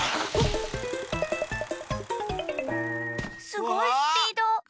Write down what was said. すごいスピード！